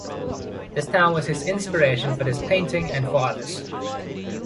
This town was his inspiration for this painting and for others.